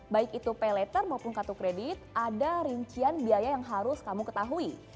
baik itu pay later maupun kartu kredit ada rincian biaya yang harus kamu ketahui